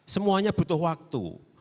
semuanya butuh waktu